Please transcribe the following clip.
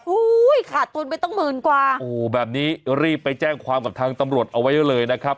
อุ้ยขาดตุนไปตั้งหมื่นกว่าโอ้โหแบบนี้รีบไปแจ้งความกับทางตำรวจเอาไว้เลยนะครับ